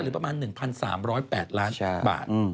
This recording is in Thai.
ประมาณ๑๓๐๘ล้านบาท